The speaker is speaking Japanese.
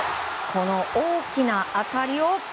この大きな当たりを。